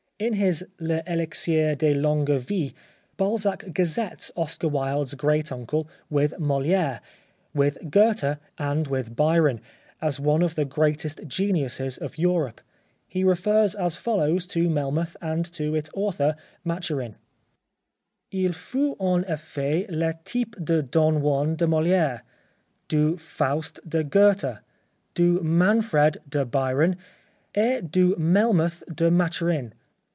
In his " L'Elixir de longue Vie," Balzac gazettes Oscar Wilde's great uncle with Moliere, with Goethe and with Byron, as one of the greatest geniuses of Europe. He refers as follows to Melmoth and to its author, Maturin :—" II flit en effet le type du Don Juan de Moliere, du Faust de Goethe, du Manfred de Byron et du Melmoth de Maturin.